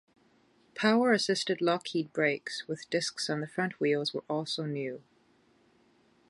Power-assisted Lockheed brakes with discs on the front wheels were also new.